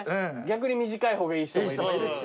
逆に短い方がいい人もいるし。